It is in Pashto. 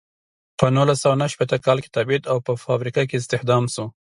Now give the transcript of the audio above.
په نولس سوه نهه شپیته کال کې تبعید او په فابریکه کې استخدام شو.